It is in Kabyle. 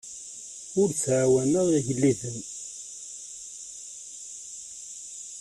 Ur ttɛawaneɣ igellilen.